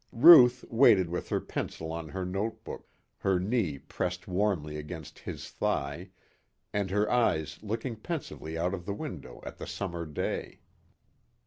Ruth waited with her pencil on her note book, her knee pressed warmly against his thigh and her eyes looking pensively out of the window at the summer day.